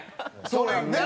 そうやんね。